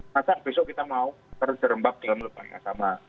masa besok kita mau terjerembak dalam luar yang sama